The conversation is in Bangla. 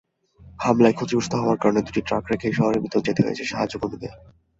হামলায় ক্ষতিগ্রস্ত হওয়ার কারণে দুটি ট্রাক রেখেই শহরের ভেতরে যেতে হয়েছে সাহায্যকর্মীদের।